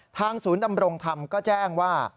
ศูนย์ดำรงธรรมก็แจ้งว่า